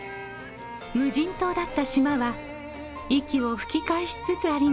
無人島だった島は息を吹き返しつつあります。